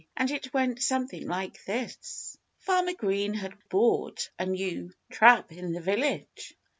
And it went something like this: Farmer Green had bought a new trap in the village.